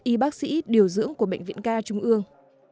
y bác sĩ điều dưỡng của bệnh viện ca trung ương